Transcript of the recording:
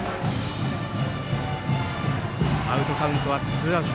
アウトカウントはツーアウト。